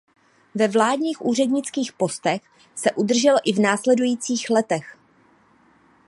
Ve vládních úřednických postech se udržel i v následujících letech.